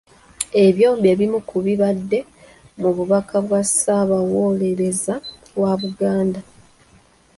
Ebyo bye bimu ku bibadde mu bubaka bwa Ssaabawolereza wa Buganda.